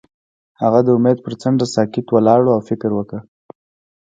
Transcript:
هغه د امید پر څنډه ساکت ولاړ او فکر وکړ.